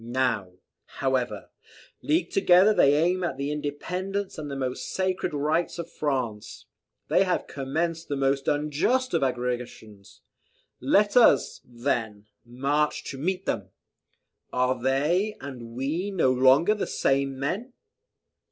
Now, however, leagued together, they aim at the independence and the most sacred rights of France. They have commenced the most unjust of aggressions. Let us, then, march to meet them. Are they and we no longer the same men?